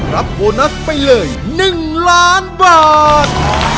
รับโบนัสไปเลย๑ล้านบาท